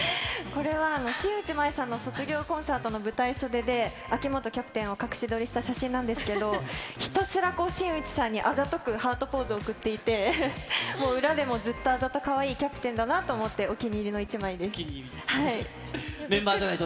これは、新内眞衣さんの卒業コンサートの舞台袖で、秋元キャプテンを隠し撮りした写真なんですけど、ひたすら新内さんにあざとくハートマークを送っていて、もう裏でもずっとあざとかわいいキャプテンだなと思って、お気に入りの１お気に入り。